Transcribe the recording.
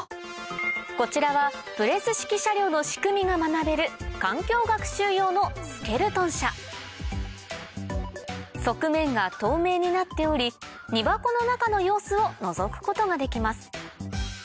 こちらはプレス式車両の仕組みが学べる環境学習用のスケルトン車側面が透明になっており荷箱の中の様子をのぞくことができます